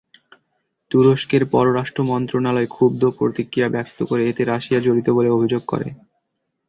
তুরস্কের পররাষ্ট্র মন্ত্রণালয় ক্ষুব্ধ প্রতিক্রিয়া ব্যক্ত করে এতে রাশিয়া জড়িত বলে অভিযোগ করে।